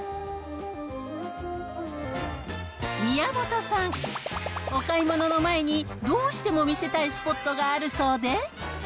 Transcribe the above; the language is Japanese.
宮本さん、お買い物の前にどうしても見せたいスポットがあるそうで。